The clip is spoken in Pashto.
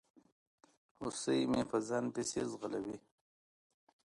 هوسۍ مې په ځان پسي ځغلوي